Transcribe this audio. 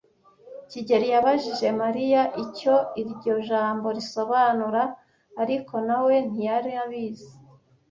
kigeli yabajije Mariya icyo iryo jambo risobanura, ariko na we ntiyari abizi.